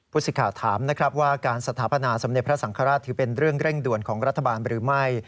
สิทธิ์ข่าวถามนะครับว่าการสถาปนาสมเด็จพระสังฆราชถือเป็นเรื่องเร่งด่วนของรัฐบาลหรือไม่